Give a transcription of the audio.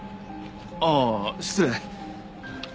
ああ失礼。